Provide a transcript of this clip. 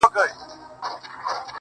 ستا د شعر دنيا يې خوښـه سـوېده.